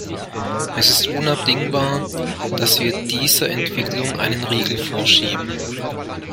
Es ist unabdingbar, dass wir dieser Entwicklung einen Riegel vorschieben.